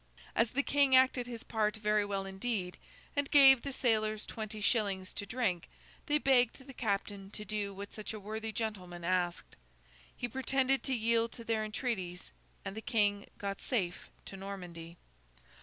As the King acted his part very well indeed, and gave the sailors twenty shillings to drink, they begged the captain to do what such a worthy gentleman asked. He pretended to yield to their entreaties, and the King got safe to Normandy.